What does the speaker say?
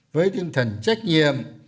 với tinh thần trách nhiệm